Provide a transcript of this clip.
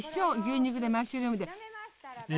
牛肉でマッシュルームで。